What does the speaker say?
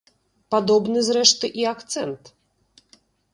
Падобны, зрэшты, і акцэнт.